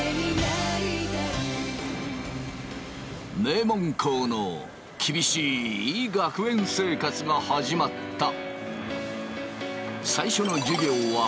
名門校の厳しい学園生活が始まった。